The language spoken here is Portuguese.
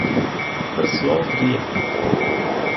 Para sua alegria!